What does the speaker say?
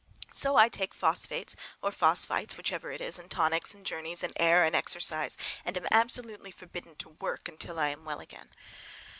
So I take phosphates or phosphites—whichever it is, and tonics, and journeys, and air, and exercise, and am absolutely forbidden to "work" until I am well again.